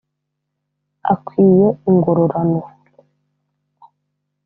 akwiye ingororano.